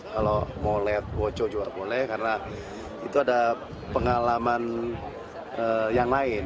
kalau mau lihat woco juga boleh karena itu ada pengalaman yang lain